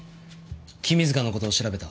君塚の事を調べた。